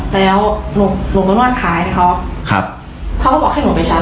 แล้วหนูหนูก็นวดขายให้เขาครับเขาก็บอกให้หนูไปใช้